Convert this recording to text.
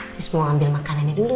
terus mau ambil makanannya dulu